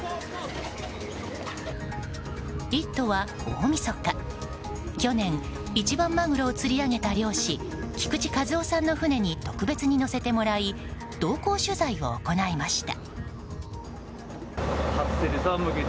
「イット！」は大みそか去年一番マグロを釣り上げた漁師菊池一夫さんの船に特別に乗せてもらい同行取材を行いました。